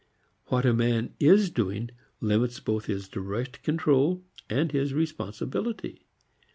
What a man is doing limits both his direct control and his responsibility.